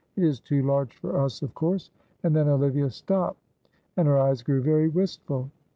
It is too large for us, of course." And then Olivia stopped and her eyes grew very wistful.